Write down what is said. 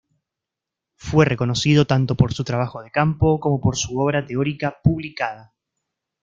Fue reconocido tanto por su trabajo de campo como por su obra teórica publicada.